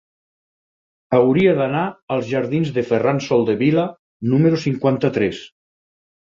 Hauria d'anar als jardins de Ferran Soldevila número cinquanta-tres.